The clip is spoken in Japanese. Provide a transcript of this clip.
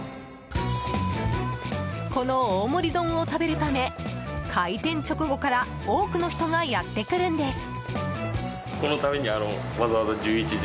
この大盛り丼を食べるため開店直後から多くの人がやってくるんです。